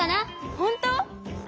ほんとう？